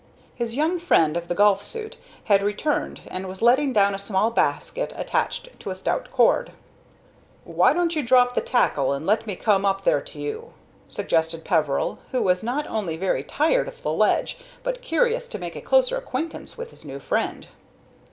His young friend of the golf suit had returned, and was letting down a small basket attached to a stout cord. "Why don't you drop the tackle and let me come up there to you?" suggested Peveril, who was not only very tired of the ledge, but curious to make a closer acquaintance with his new friend.